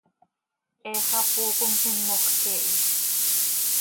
He xapoo com simox quee hi.